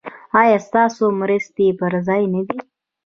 ایا ستاسو مرستې پر ځای نه دي؟